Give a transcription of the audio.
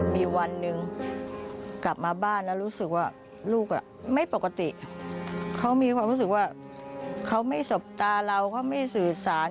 มีวันหนึ่งกลับมาบ้านแล้วรู้สึกว่าลูกไม่ปกติเขามีความรู้สึกว่าเขาไม่สบตาเราเขาไม่สื่อสาร